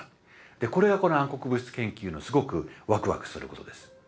これがこの暗黒物質研究のすごくワクワクすることです。